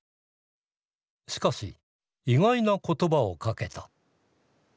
しかし意外な言葉をかけた。